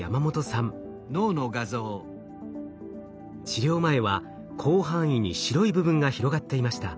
治療前は広範囲に白い部分が広がっていました。